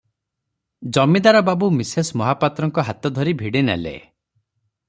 ଜମିଦାର ବାବୁ ମିସେସ୍ ମହାପାତ୍ରଙ୍କ ହାତ ଧରି ଭିଡ଼ି ନେଲେ ।